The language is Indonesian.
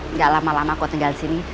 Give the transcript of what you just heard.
nggak lama lama kok tinggal disini